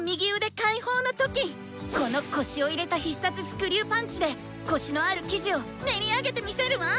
この腰を入れた必殺スクリューパンチで、コシのある生地を練り上げて見せるわ！